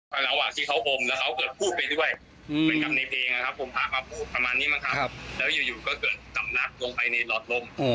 พิกาเนธออกจากหลอดลมนะครับเป็นครั้งแรกครับที่เคยขี้พระพิกาเนธออกจากหลอดลม